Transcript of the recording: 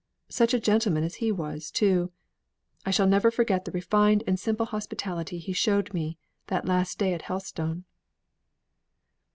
Such a gentleman as he was too! I shall never forget the refined and simple hospitality he showed to me that last day at Helstone."